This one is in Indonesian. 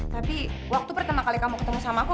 tapi waktu pertama kali kamu ketemu sama aku